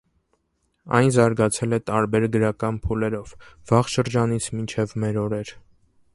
Այն զարգացել է տարբեր գրական փուլերով՝ վաղ շրջանից մինչև մեր օրեր։